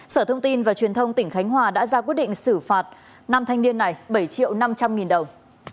sở thông tin và truyền thông tỉnh khánh hòa đã ra quyết định xử phạt năm thanh niên này bảy triệu năm trăm linh nghìn đồng